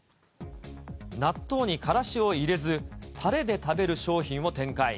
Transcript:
納豆にカラシを入れず、たれで食べる商品を展開。